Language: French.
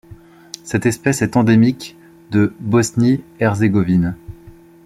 Cette espèce est endémique de Bosnie-Herzégovine.